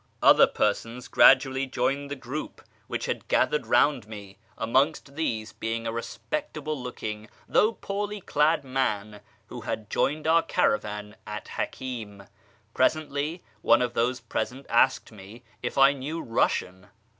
Other persons gradually joined the group wliich had 356 A YEAR AMONGST THE PERSIANS gathered rouiul me, amongst these being a respectable looking, though poorly clad, man, who had joined our caravan at Hakfni. Presently one of those present asked me if I knew IJussian.